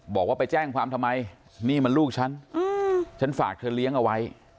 บอกว่าไปแจ้งความทำไมนี่มันลูกฉันฉันฝากเธอเลี้ยงเอาไว้